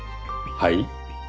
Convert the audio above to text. はい？